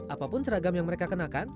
apapun seragam yang mereka kenakan